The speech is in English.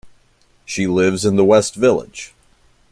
She lives in the West Village.